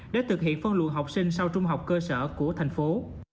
để thực hiện phân luồng học sinh sau trung học cơ sở của thành phố